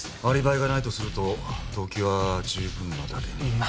アリバイがないとすると動機は十分なだけに。